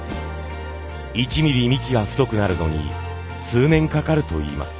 １ミリ幹が太くなるのに数年かかるといいます。